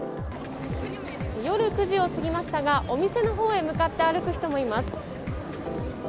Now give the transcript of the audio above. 夜９時を過ぎましたがお店のほうへ向かって歩く人もいます。